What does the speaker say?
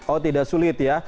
oh tidak sulit ya